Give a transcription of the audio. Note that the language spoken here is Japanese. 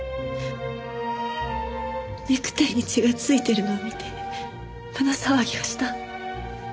ネクタイに血が付いてるのを見て胸騒ぎがした。